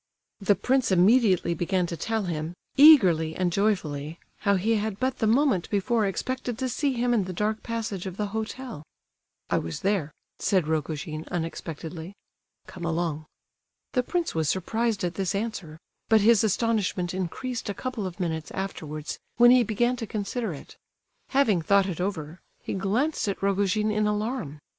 The prince immediately began to tell him, eagerly and joyfully, how he had but the moment before expected to see him in the dark passage of the hotel. "I was there," said Rogojin, unexpectedly. "Come along." The prince was surprised at this answer; but his astonishment increased a couple of minutes afterwards, when he began to consider it. Having thought it over, he glanced at Rogojin in alarm.